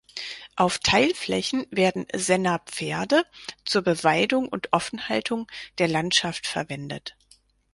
Auf Teilflächen werden Senner Pferde zur Beweidung und Offenhaltung der Landschaft verwendet.